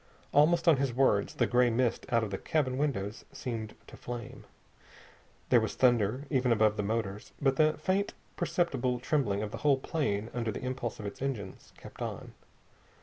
Almost on his words the gray mist out the cabin windows seemed to flame. There was thunder even above the motors. But the faint, perceptible trembling of the whole plane under the impulse of its engines kept on.